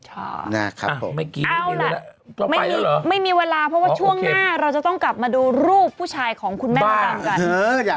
เอาล่ะไม่มีเวลาเพราะว่าช่วงหน้าเราจะต้องกลับมาดูรูปผู้ชายของคุณแม่มดดำกัน